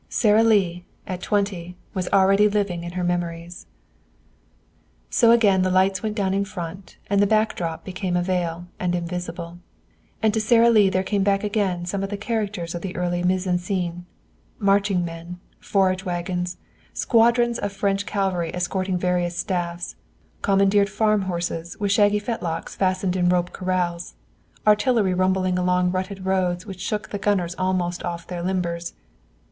Sara Lee, at twenty, was already living in her memories. So again the lights went down in front, and the back drop became but a veil, and invisible. And to Sara Lee there came back again some of the characters of the early mise en scène marching men, forage wagons, squadrons of French cavalry escorting various staffs, commandeered farm horses with shaggy fetlocks fastened in rope corrals, artillery rumbling along rutted roads which shook the gunners almost off the limbers.